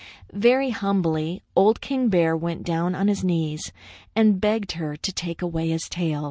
Very humbly Old King Bear went down on his knees and begged her to take away his tail.